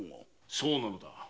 そうなんだ。